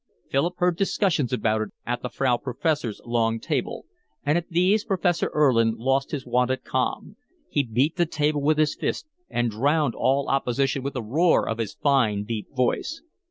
Philip heard discussions about it at the Frau Professor's long table, and at these Professor Erlin lost his wonted calm: he beat the table with his fist, and drowned all opposition with the roar of his fine deep voice.